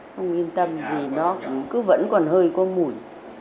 không yên tâm vì nó cứ vẫn còn hơi có mùi